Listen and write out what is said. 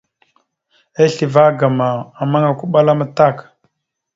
Asleva agam ma, ammaŋ okoɓala amətak.